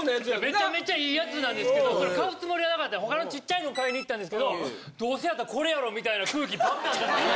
めちゃめちゃいいやつなんですけどこれ買うつもりはなかった他のちっちゃいのを買いに行ったんですけどどうせやったらこれやろみたいな空気ばんばん出してきて。